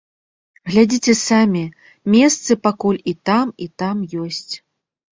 Глядзіце самі, месцы пакуль і там, і там ёсць.